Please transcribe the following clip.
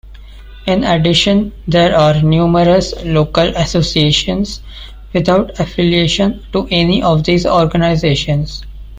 In addition there are numerous local associations without affiliation to any of these organisations.